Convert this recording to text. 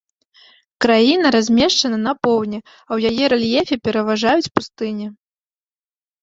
Краіна размешчана на поўдні, а ў яе рэльефе пераважаюць пустыні.